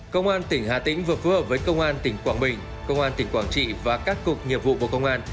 công an tỉnh hà tĩnh vừa phù hợp với công an tỉnh quảng bình công an tỉnh quảng trị và các cục nhiệm vụ của công an